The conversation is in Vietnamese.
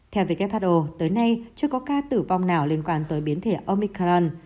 theo who tới nay chưa có ca tử vong nào liên quan tới biến thể omican